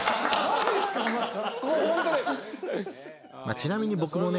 ちなみに僕もね